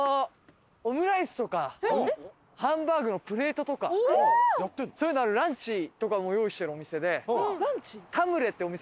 オムライスとかハンバーグのプレートとかそういうのあるランチとかも用意してるお店で。